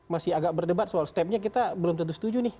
masih agak berdebat soal stepnya kita belum tentu setuju nih